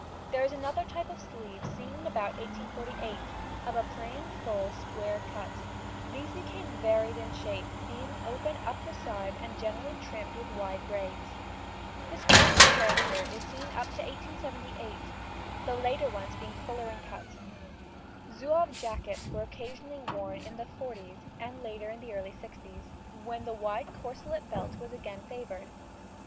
There is another type of sleeve seen about 1848, of a plain, full, square cut; these became varied in shape, being opened up the side and generally trimmed with wide braids. This clumsy character is seen up to 1878, the later ones being fuller in cut. Zouave jackets were occasionally worn in the forties and later in the early sixties, when the wide corselet belt was again favoured.